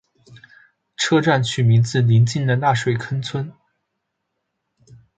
车站取名自邻近的大水坑村。